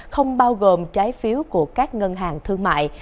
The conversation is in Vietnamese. không bao gồm trái phiếu của các ngân hàng thương mại